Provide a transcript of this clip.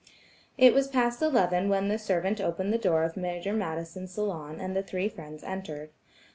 It was past eleven when the servant opened the door of Major Madison's salon and the three friends entered.